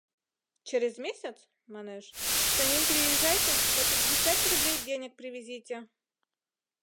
— Через месяц, манеш, за ним приезжайте да пятьдесят рублей денег привезите.